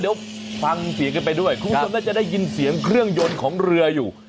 เดี๋ยวฟังเสียงกันไปด้วยคุณผู้ชมน่าจะได้ยินเสียงเครื่องยนต์ของเรืออยู่